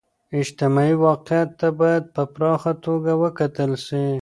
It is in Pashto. اجتماعي واقعیت ته باید په پراخه توګه و کتل سي.